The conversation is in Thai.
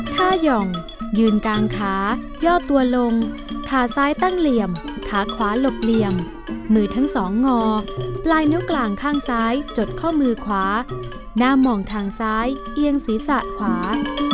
หย่องยืนกลางขาย่อตัวลงขาซ้ายตั้งเหลี่ยมขาขวาหลบเหลี่ยมมือทั้งสองงอปลายนิ้วกลางข้างซ้ายจดข้อมือขวาหน้ามองทางซ้ายเอียงศีรษะขวา